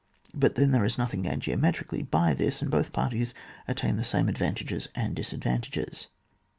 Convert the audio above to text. But then there is nothing gained geo metrically by this, and both parties attain the same advantages and disad vantages.